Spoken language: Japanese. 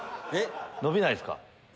伸びないですか？